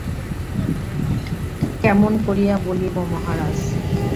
কেমন করিয়া বলিব মহারাজ?